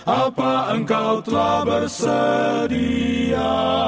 apa engkau telah bersedia